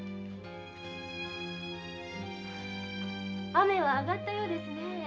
雨はあがったようですねぇ。